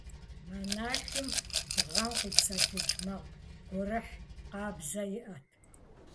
Монахым бгъэм къипсэлъыкӀ макъ гурыхь къабзэ иӀэт.